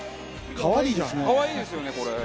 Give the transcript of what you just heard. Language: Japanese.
かわいですよね、これ。